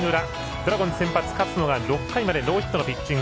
ドラゴンズ先発、勝野が６回までノーヒットのピッチング。